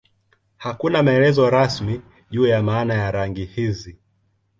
Hakuna maelezo rasmi juu ya maana ya rangi hizi.